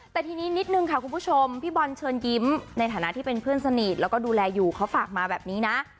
แต่ทีนี้นิดนึงค่ะคุณผู้ชมพี่บอลเชิญยิ้มในฐานะที่เป็นเพื่อนสนิทแล้วก็ดูแลอยู่เขาฝากมาแบบนี้นะ